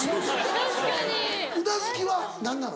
・確かに・うなずきは何なの？